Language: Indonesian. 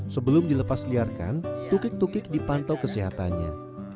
sebelum dilepas liarkan tukik tukik dipantau kesehatannya